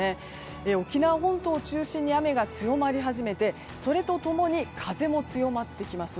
沖縄本島中心に雨が強まり始めてそれと共に風も強まってきます。